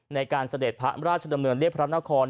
ในการเสด็จพระราชดำเนืองเรียกพระราชนคร